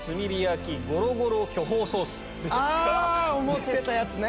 思ってたやつね。